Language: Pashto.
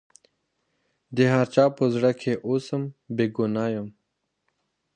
د هر چا په زړه کي اوسم بېګانه یم